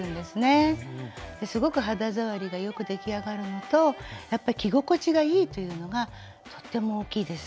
すごく肌触りが良く出来上がるのとやっぱり着心地がいいというのがとっても大きいです。